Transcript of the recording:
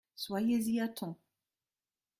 Soyez-y à temps !